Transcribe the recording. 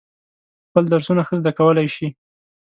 خپل درسونه ښه زده کولای شي.